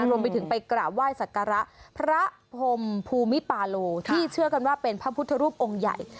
รวมไปถึงไปกราบไหว้สักการะพระพรมภูมิปาโลที่เชื่อกันว่าเป็นพระพุทธรูปองค์ใหญ่